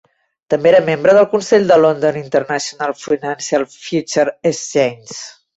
També era membre del consell del London International Financial Futures Exchange.